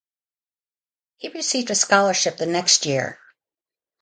He received a scholarship the next year.